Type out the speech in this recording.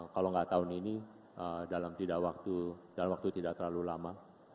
kalau nggak tahun ini dalam waktu tidak terlalu lama